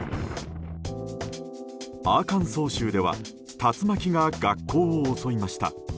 アーカンソー州では竜巻が学校を襲いました。